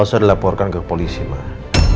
saya dilaporkan ke polisi mah